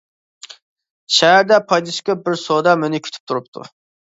شەھەردە پايدىسى كۆپ بىر سودا مېنى كۈتۈپ تۇرۇپتۇ.